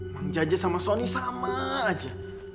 bang jajah sama sony sama aja